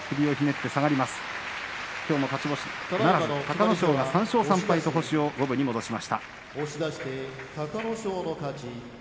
隆の勝が３勝３敗と星を五分に戻しました。